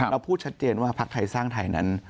พูดชัดเจนว่าพักไทยสร้างไทยนั้น